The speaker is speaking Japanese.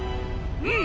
うん！